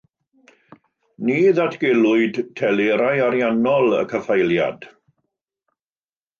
Ni ddatgelwyd telerau ariannol y caffaeliad.